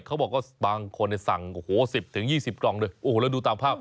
เค้าบอกบางคนเนี่ยสั่ง๑๐๒๐กล่องโอ้โหแล้วดูตามภาพ